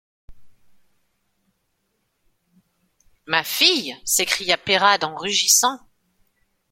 Ma fille? s’écria Peyrade en rugissant.